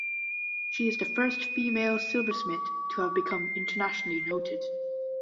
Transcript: She is the first female silversmith to have become internationally noted.